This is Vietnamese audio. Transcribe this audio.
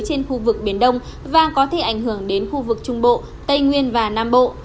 trên khu vực biển đông và có thể ảnh hưởng đến khu vực trung bộ tây nguyên và nam bộ